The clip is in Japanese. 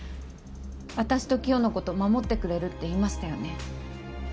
私とキヨのこと守ってくれるって言いましたよね？